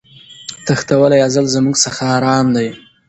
تښتولی ازل زموږ څخه آرام دی